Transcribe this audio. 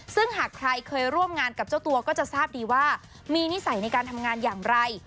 ซึ่งหากใครเคยร่วมงานกับเจ้าตัวก็จะทราบดีว่ามีนิสัยในการทำงานอย่างไร